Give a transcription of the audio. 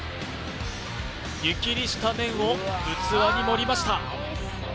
湯切りした麺を器に盛りました